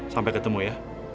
sampai ketemu ya